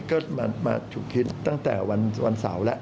ก็มาฉุกคิดตั้งแต่วันเสาร์แล้ว